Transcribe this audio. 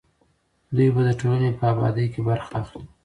دوی به د ټولنې په ابادۍ کې برخه اخلي.